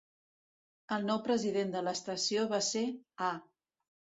El nou president de l'estació va ser A.